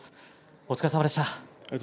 お疲れ様でした。